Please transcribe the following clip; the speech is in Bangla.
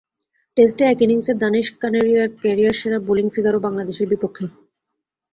টেস্টে এক ইনিংসে দানিশ কানেরিয়ার ক্যারিয়ার সেরা বোলিং ফিগারও বাংলাদেশের বিপক্ষে।